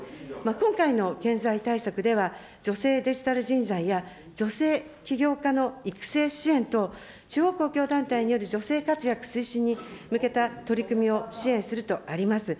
今回の経済対策では、女性デジタル人材や、女性起業家の育成支援等、地方公共団体による女性活躍推進に向けた取り組みを支援するとあります。